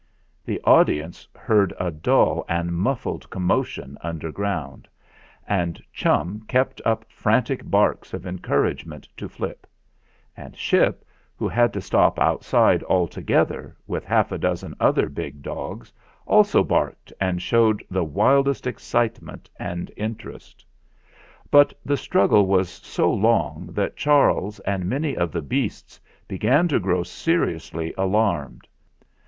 The audience heard a dull and muffled com motion underground; and Chum kept up fran tic barks of encouragement to Flip; and Ship, who had to stop outside altogether, with half a dozen other big dogs, also barked and showed the wildest excitement and interest. But the struggle was so long that Charles and many of the beasts began to grow seriously alarmed.